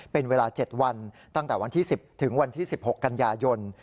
เป็นเวลา๗วันตั้งแต่วันที่๑๐ถึงวันที่๑๖กันยายน